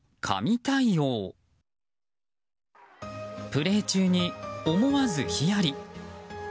プレー中に思わずひやり。